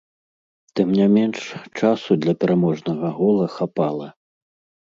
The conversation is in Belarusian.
Тым не менш, часу для пераможнага гола хапала.